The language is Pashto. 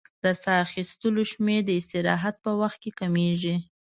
د سا اخیستلو شمېر د استراحت په وخت کې کمېږي.